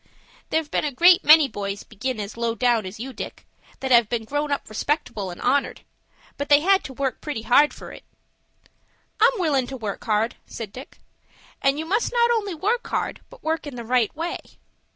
"There've been a great many boys begin as low down as you, Dick, that have grown up respectable and honored. But they had to work pretty hard for it." "I'm willin' to work hard," said Dick. "And you must not only work hard, but work in the right way."